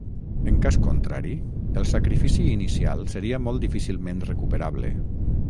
En cas contrari el sacrifici inicial seria molt difícilment recuperable.